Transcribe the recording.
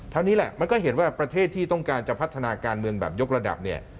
นี้แหละมันก็เห็นว่าประเทศที่ต้องการจะพัฒนาการเมืองแบบยกระดับเนี่ย